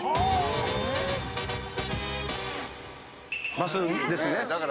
マスですね。